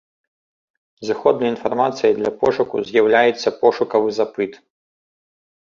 Зыходнай інфармацыяй для пошуку з'яўляецца пошукавы запыт.